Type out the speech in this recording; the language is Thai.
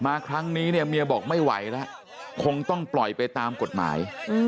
ครั้งนี้เนี่ยเมียบอกไม่ไหวแล้วคงต้องปล่อยไปตามกฎหมาย